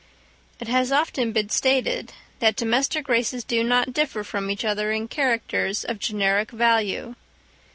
It has often been stated that domestic races do not differ from each other in characters of generic value.